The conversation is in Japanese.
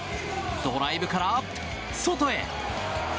ドライブから外へ！